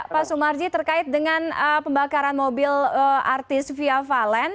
pak sumarji terkait dengan pembakaran mobil artis via valen